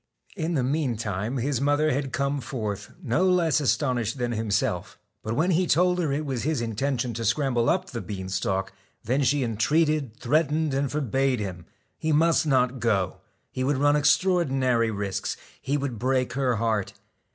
In the meantime his mother had come forth, no less astonished than himself. But when he told her it was his intention to scramble up the bean stalk, then she entreated, threatened, and forbade him he must not go. He would run extraor dinary risks ; he would break her heart.